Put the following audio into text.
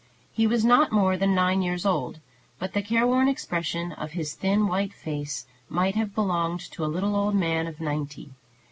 He was not more than nine years old, but the careworn expression of his thin white face might have belonged to a little old man of ninety.